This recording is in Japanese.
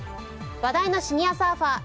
話題のシニアサーファー。